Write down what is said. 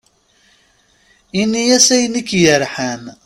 Ini-as ayen ik-yerḥan.